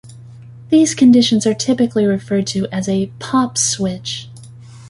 These conditions are typically referred to as a "pop switch".